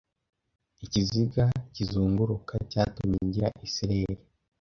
Ikiziga kizunguruka cyatumye ngira isereri